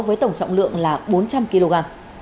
với tổng trọng lượng bốn trăm linh kg